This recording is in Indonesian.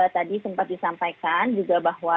tadi sempat disampaikan juga bahwa